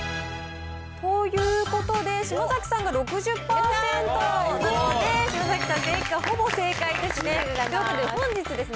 ということで、島崎さんが６０％なので、島崎さん、ほぼ正解ですね。